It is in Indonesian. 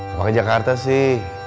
emang di jakarta sih